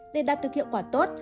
để đạt được hiệu quả tốt